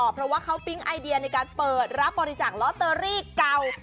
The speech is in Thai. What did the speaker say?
เพราะว่าเขาปิ๊งไอเดียในการเปิดรับบริจาคลอตเตอรี่เก่า